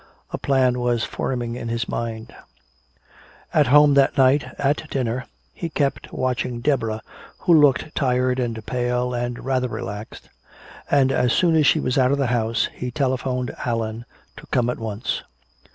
A plan was forming in his mind. At home that night, at dinner, he kept watching Deborah, who looked tired and pale and rather relaxed. And as soon as she was out of the house he telephoned Allan to come at once.